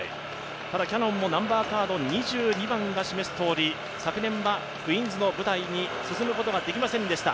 キヤノンも２２番が示すとおり、去年はクイーンズの舞台に進むことができませんでした。